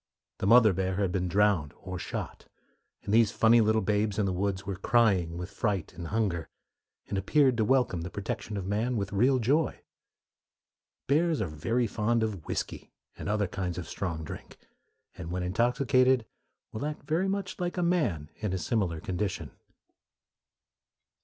The mother bear had been drowned or shot, and these funny little "babes in the woods" were crying with fright and hunger, and appeared to welcome the protection of man with real joy. Bears are very fond of whiskey and other kinds of strong drink, and when intoxicated will act very much like a man in a similar condition.